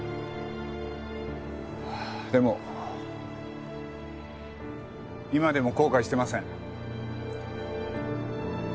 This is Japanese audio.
でも今でも後悔してません。